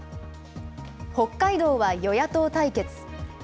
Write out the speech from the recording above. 北海道は与野党対決。